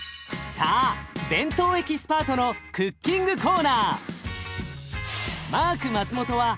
さあ弁当エキスパートのクッキングコーナー。